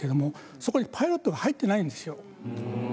そこにパイロットが入ってないんですよ。